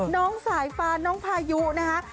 น้องสายฟ้าน้องพายุนะคะ